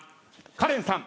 カレンさん。